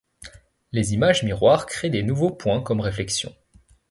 Les images miroir créent des nouveaux points comme réflexions.